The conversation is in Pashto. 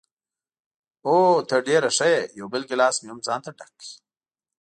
اوه، ته ډېره ښه یې، یو بل ګیلاس مې هم ځانته ډک کړ.